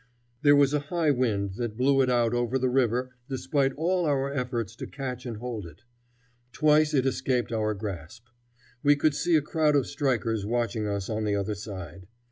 There was a high wind that blew it out over the river despite all our efforts to catch and hold it. Twice it escaped our grasp. We could see a crowd of strikers watching us on the other side.